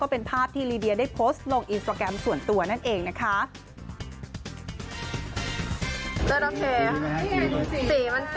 เป็นภาพที่ลีเดียได้โพสต์ลงอินสตราแกรมส่วนตัวนั่นเองนะคะ